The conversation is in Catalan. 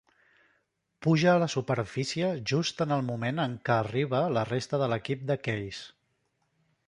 Puja a la superfície just en el moment en què arriba la resta de l'equip de Keyes.